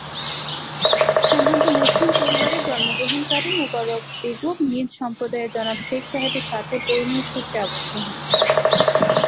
সম্ভ্রান্ত মুসলিম পরিবারে জন্মগ্রহণকারী মুবারক বেগম নিজ সম্প্রদায়ের জনাব শেখ সাহেবের সাথে পরিণয়সূত্রে আবদ্ধ হন।